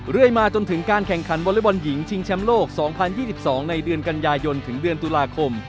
เรื่อยมาจนถึงการแข่งขันวอเล็กบอลหญิงชิงแชมป์โลก๒๐๒๒ในเดือนกันยายนถึงเดือนตุลาคม